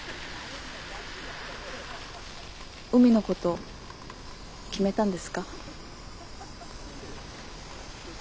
海のこと決めたんですか？